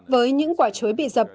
với những quả trứng